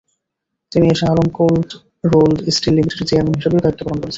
তিনি S Alam cold rolled steel লিমিটেডের chairman হিসেবেও দায়িত্ব পালন করছেন।